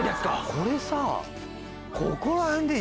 これさ。